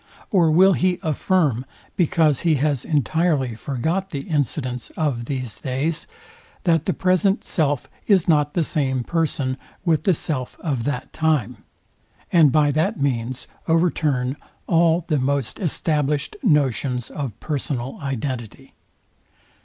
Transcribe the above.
Or will he affirm, because he has entirely forgot the incidents of these days, that the present self is not the same person with the self of that time; and by that means overturn all the most established notions of personal identity?